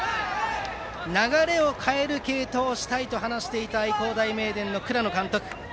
流れを変える継投をしたいと話していた愛工大名電の倉野監督。